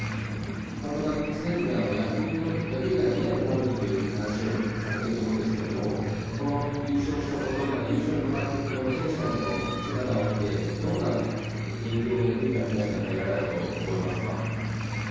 監督は常々野球界の未来のためにという話をされてると思うんですけれども、この優勝したこと、優勝に向かっていくこの選手たちの姿を見て、どんな影響を野球界の未来に与えられたと思いますか。